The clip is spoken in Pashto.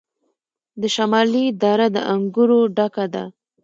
د شمالی دره د انګورو ډکه ده.